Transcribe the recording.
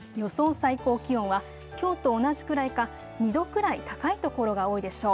最高気温はきょうと同じくらいか２度くらい高い所が多いでしょう。